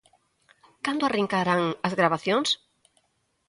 Cando arrincarán as gravacións?